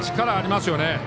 力ありますよね。